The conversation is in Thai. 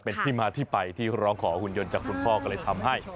เป็นที่มาที่ไปที่ร้องขอหุ่นยนต์จากคุณพ่อก็เลยทำให้